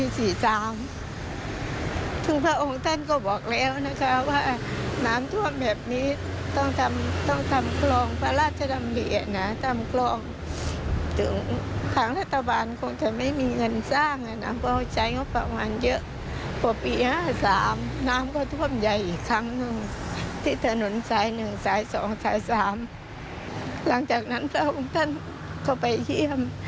สายสองสายสามหลังจากนั้นพระองค์ท่านเข้าไปเยี่ยม